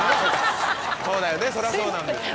そうだよねそれはそうなんですよ。